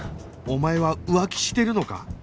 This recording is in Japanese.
お前は浮気してるのか？